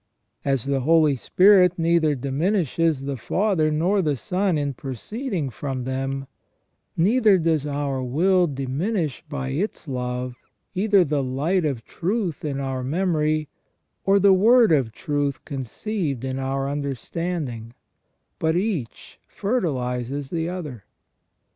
As the Holy Spirit neither diminishes the Father nor the Son in proceeding from them, neither does our will diminish by its love either the light of truth in our memory, or the word of truth conceived in our understanding, but each fertilizes the other.